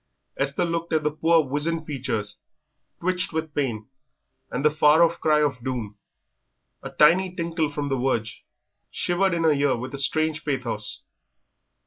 Esther looked at the poor wizened features, twitched with pain, and the far off cry of doom, a tiny tinkle from the verge, shivered in the ear with a strange pathos.